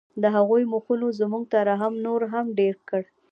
د هغوی مخونو زموږ ترحم نور هم ډېر کړ